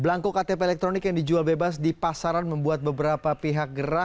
belangko ktp elektronik yang dijual bebas di pasaran membuat beberapa pihak gerah